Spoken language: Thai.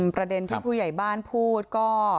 ประเด็นที่ผู้ใหญ่บ้านพูดก็